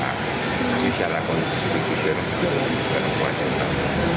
jadi secara konstitusi itu juga bukan kewajiban